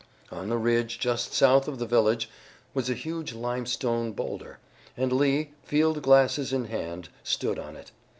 On the ridge just south of the village was a huge limestone bowlder, and Lee, field glasses in hand, stood on it.